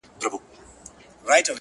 يوه ورځ كندو ته تلمه بېخبره-